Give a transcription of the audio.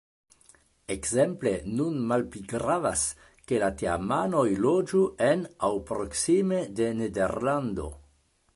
Ekzemple nun malpli gravas, ke la teamanoj loĝu en aŭ proksime de Nederlando.